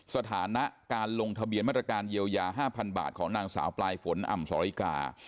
สถานะการลงทะเบียนมาตรการเยียวยา๕๐๐บาทของนางสาวปลายฝนอ่ำสอริกา